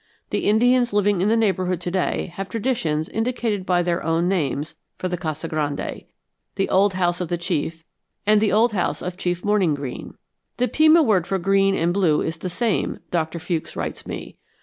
The Indians living in the neighborhood to day have traditions indicated by their own names for the Casa Grande, the Old House of the Chief and the Old House of Chief Morning Green. "The Pima word for green and blue is the same," Doctor Fewkes writes me.